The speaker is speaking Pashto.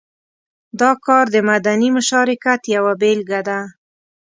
دا کار د مدني مشارکت یوه بېلګه ده.